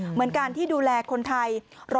เหมือนการที่ดูแลคนไทย